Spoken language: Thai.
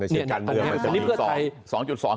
เนี่ยในเฉพาะจันทร์เมือง